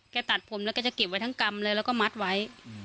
ตัดผมแล้วก็จะเก็บไว้ทั้งกำเลยแล้วก็มัดไว้